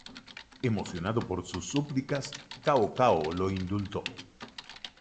Emocionado por sus súplicas, Cao Cao lo indultó.